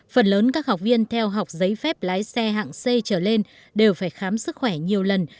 phần lớn các học viên theo học giấy phép lái xe hạng c trở lên đều phải khám sức khỏe nhiều lần